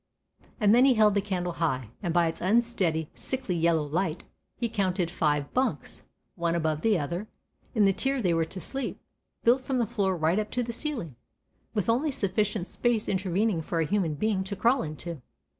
And then he held the candle high, and by its unsteady, sickly yellow light he counted five bunks, one above the other, in the tier they were to sleep, built from the floor right up to the ceiling, with only sufficient space intervening for a human being to crawl into.